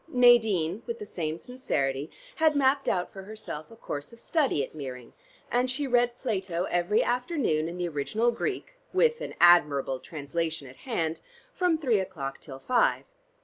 Nadine with the same sincerity had mapped out for herself a course of study at Meering, and she read Plato every afternoon in the original Greek, with an admirable translation at hand, from three o'clock till five.